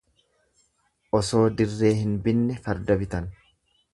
Osoo dirree hin binne farda bitan.